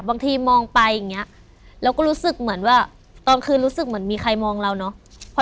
บางทีมองไปอย่างนี้เราก็รู้สึกเหมือนว่าตอนคืนรู้สึกเหมือนมีใครมองเราเนอะ